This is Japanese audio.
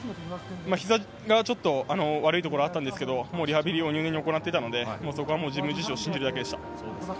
ひざがちょっと悪いところがあったんですがもうリハビリを入念に行っていたので自分自身を信じるだけでした。